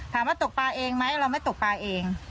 ตกปลาเองไหมเราไม่ตกปลาเอง